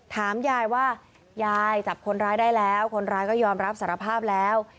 ถามยายว่ายายจับคนร้ายได้แล้วคนร้ายก็ยอมรับสารภาพแล้ว